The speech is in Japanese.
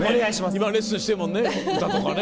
今レッスンしてるもんね歌とかね。